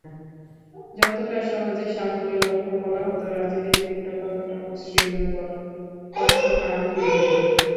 যতটা সহজে সাফল্যের গল্প বলা হলো, রাজীবের জীবনটা ততটা মসৃণ নয়, বরং কণ্টকাকীর্ণ।